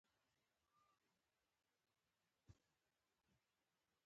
او په برخه یې ترمرګه پښېماني سي